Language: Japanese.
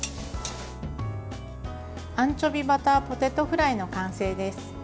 アンチョビバターポテトフライの完成です。